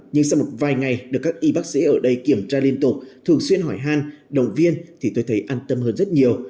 nhưng sau một vài ngày được các y bác sĩ ở đây kiểm tra liên tục thường xuyên hỏi hàn động viên thì tôi thấy an tâm hơn rất nhiều